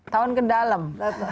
tahun ke dalam